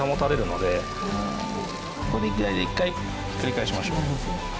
これぐらいで一回ひっくり返しましょう。